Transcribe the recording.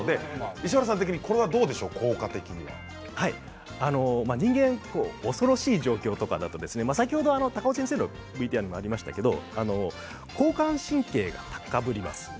石丸さん的に人間恐ろしい状況とかだと先ほど高尾先生のＶＴＲにありましたけど交感神経が高ぶります。